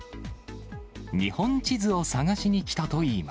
日本地図を探しに来たといい